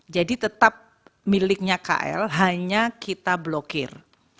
tetap miliknya kl hanya kita blokir